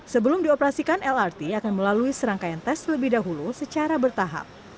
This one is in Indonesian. sebelum dioperasikan lrt akan melalui serangkaian tes lebih dahulu secara bertahap